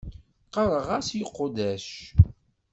Ɣɣareɣ-as i uqeddac.